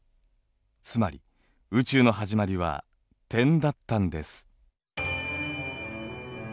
つまり「宇宙のはじまり」は点だったんです。